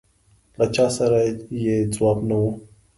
له چا سره یې ځواب نه و.